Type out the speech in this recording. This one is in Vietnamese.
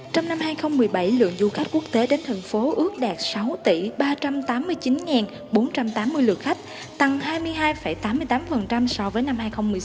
trong năm hai nghìn một mươi bảy lượng du khách quốc tế đến thành phố ước đạt sáu tỷ ba trăm tám mươi chín bốn trăm tám mươi lượt khách tăng hai mươi hai tám mươi tám so với năm hai nghìn một mươi sáu